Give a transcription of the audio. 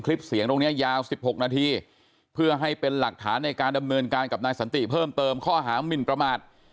คลิปเสียงตรงนี้ยาว๑๖นาทีเพื่อให้เป็นหลักฐานในการดำเนินการกับนายสันติเพิ่มเติมข้อหามินประมาท